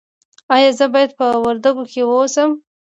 ایا زه باید په وردګو کې اوسم؟